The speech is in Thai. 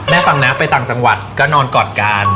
ฟังนะไปต่างจังหวัดก็นอนกอดกัน